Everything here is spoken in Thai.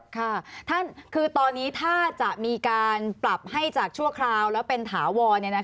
ค่ะท่านคือตอนนี้ถ้าจะมีการปรับให้จากชั่วคราวแล้วเป็นถาวร